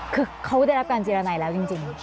คือเขาได้รับการเจรนัยแล้วจริง